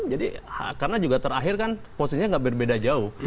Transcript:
jadi karena juga terakhir kan posisinya nggak berbeda jauh